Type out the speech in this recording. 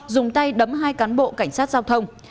dùng tay đấm hai cán bộ cảnh sát giao thông